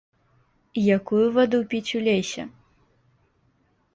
Якую ваду піць у лесе?